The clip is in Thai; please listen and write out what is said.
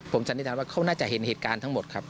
ผมสันนิษฐานว่าเขาน่าจะเห็นเหตุการณ์ทั้งหมดครับ